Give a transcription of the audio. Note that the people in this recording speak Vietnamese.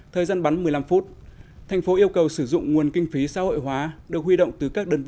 thời gian bắn một mươi năm phút thành phố yêu cầu sử dụng nguồn kinh phí xã hội hóa được huy động từ các đơn vị